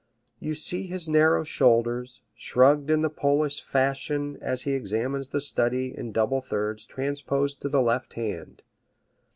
You see his narrow shoulders, shrugged in the Polish fashion as he examines the study in double thirds transposed to the left hand!